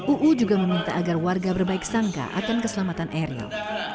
uu juga meminta agar warga berbaik sangka akan keselamatan eril